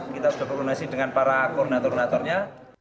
kita sudah berkoordinasi dengan para koordinator koordinatornya